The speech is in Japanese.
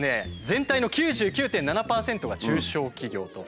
全体の９９．７％が中小企業と。